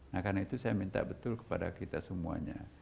nah karena itu saya minta betul kepada kita semuanya